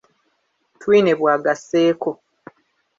Twine bw'agasseeko.